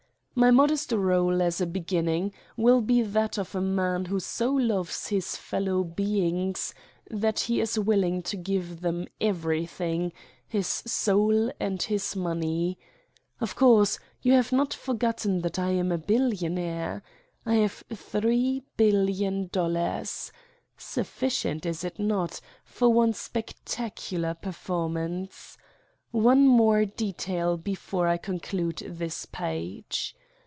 My modest role, as a beginning, will be that of a man who so loves his fellow beings that he is willing to give them everything, his soul and his money. Of course, you have not forgotten that I am a billionaire? I have three billion dollars. Sufficient is it not? for one spectacular performance. One more detail before I conclude this page.